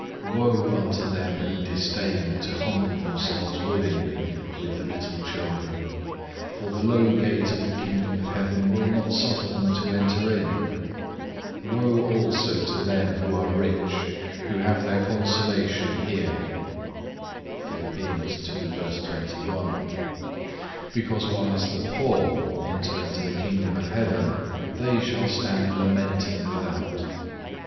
Woe unto them who disdain to humble themselves willingly with the little children; for the low gate of the kingdom of Heaven will not suffer them to enter in. Woe also to them who are rich, who have their consolation here;(9) because whilst the poor enter into the kingdom of God, they shall stand lamenting without.